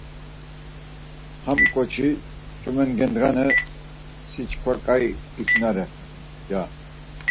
Ham ǩoçi ç̌umegendğani si çkva ǩai içinare ya.